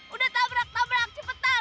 udah tabrak tabrak cepetan